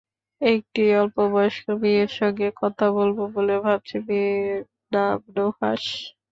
একটি অল্পবয়স্ক মেয়ের সঙ্গে কথা বলব বলে ভাবছি, মেয়েটির নাম নুহাশ।